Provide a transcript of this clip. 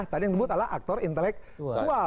tadi yang dibutalah aktor intelek dual